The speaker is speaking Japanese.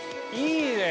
いいねえ！